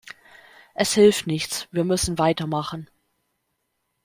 Es hilft nichts, wir müssen weitermachen.